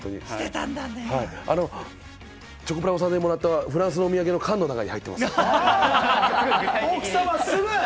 チョコプラさんにもらったフランス土産の缶の中に入っています。